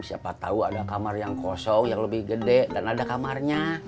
siapa tahu ada kamar yang kosong yang lebih gede dan ada kamarnya